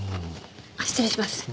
あっ失礼します。